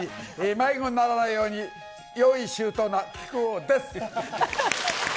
迷子にならないように、用意周到な木久扇です。